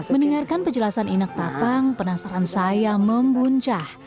mendengarkan penjelasan inak tapang penasaran saya membuncah